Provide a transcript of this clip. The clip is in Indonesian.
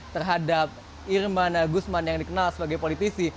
terhadap irman gusman yang dikenal sebagai politisi